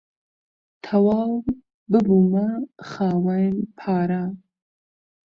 تەواو ببوومە خاوەن پارە.